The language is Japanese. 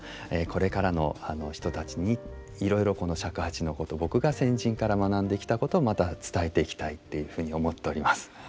これからの人たちにいろいろこの尺八のこと僕が先人から学んできたことをまた伝えていきたいっていうふうに思っております。